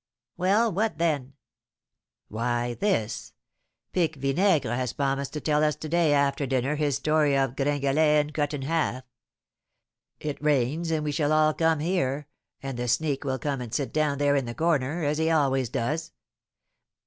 "Well, what then?" "Why, this. Pique Vinaigre has promised to tell us to day after dinner his story of 'Gringalet and Cut in Half.' It rains, and we shall all come here, and the sneak will come and sit down there in the corner, as he always does.